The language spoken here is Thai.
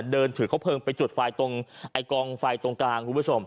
เดินถือเขาเพลิงไปจุดไฟตรงไอ้กองไฟตรงกลางคุณผู้ชม